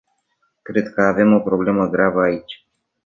Cred că avem o problemă gravă aici.